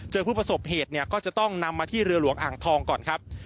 ผู้ประสบเหตุเนี่ยก็จะต้องนำมาที่เรือหลวงอ่างทองก่อนครับ